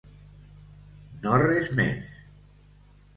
No res més.